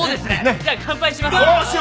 じゃあ乾杯しましょう！